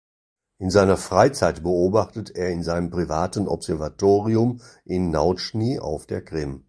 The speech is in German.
In seiner Freizeit beobachtet er in seinem privaten Observatorium in Nautschnyj auf der Krim.